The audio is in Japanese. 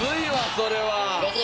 それは。